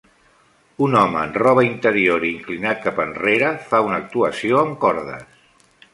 Un home en roba interior i inclinat cap enrere fa una actuació amb cordes.